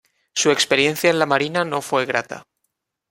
Su experiencia en la Marina no fue grata.